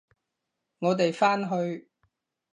我哋返去！